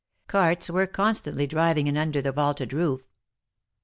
Carts were constantly driving in under the vaulted roof.